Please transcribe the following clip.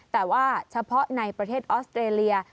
แต่ว่าเฉพาะในประเทศออสเตรเลีย